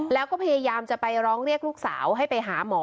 แล้วก็พยายามจะไปร้องเรียกลูกสาวให้ไปหาหมอ